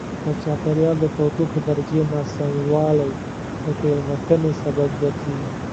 د چاپېریال د تودوخې درجې ناسموالی د تېروتنې سبب ګرځي.